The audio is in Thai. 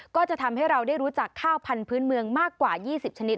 ก็จะทำให้เราได้รู้จักข้าวพันธุ์เมืองมากกว่า๒๐ชนิด